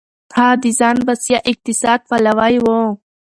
هغه د ځان بسيا اقتصاد پلوی و.